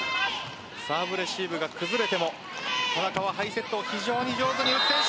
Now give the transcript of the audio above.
サーブレシーブが崩れても田中はハイセットを非常に上手にいく選手。